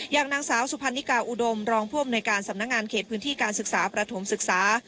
อย่างสาวสุพรรณิกาอุดมรองพรวมในการสำนักงานเขตพลพิธีการศึกษาประโถมศึกษา